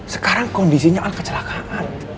sekarang kondisinya al kecelakaan